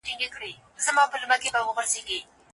ټکنالوژي تل د انسانانو په ګټه نه کارول کیږي.